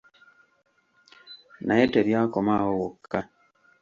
Naye tebyakoma awo wokka.